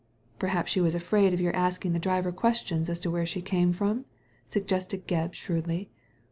" Perhaps she was afraid of your asking the driver questions as to where she came from?" suggested Gebb, shrewdly.